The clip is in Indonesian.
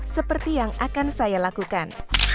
seperti yang akan saya lakukan